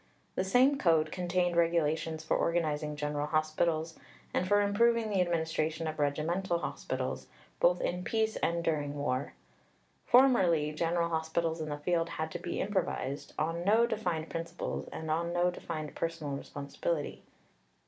The same code contained regulations for organizing General Hospitals, and for improving the administration of Regimental Hospitals, both in peace and during war. Formerly, general hospitals in the field had to be improvised, on no defined principles and on no defined personal responsibility.